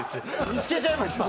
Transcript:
見つけちゃいました？